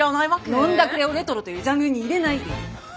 飲んだくれをレトロというジャンルに入れないでよ。